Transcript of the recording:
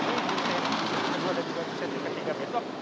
di sesi kedua dan juga di sesi ketiga besok